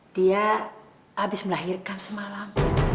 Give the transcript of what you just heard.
dia habis melahirkan semalam